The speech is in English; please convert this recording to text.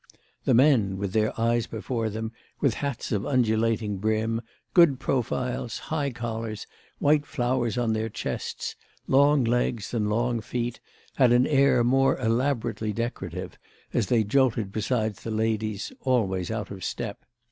The men, with their eyes before them, with hats of undulating brim, good profiles, high collars, white flowers on their chests, long legs and long feet, had an air more elaboratively decorative, as they jolted beside the ladies, always out of step.